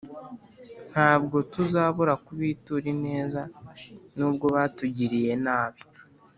Ntabwo tuzabura kubitura ineza nubwo batugiriye nabi